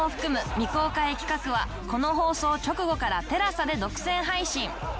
未公開企画はこの放送直後から ＴＥＬＡＳＡ で独占配信